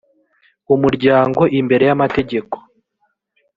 umuryango imbere y’amategeko